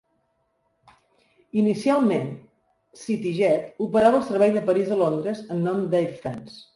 Inicialment, CityJet operava el servei de París a Londres en nom d'Air France.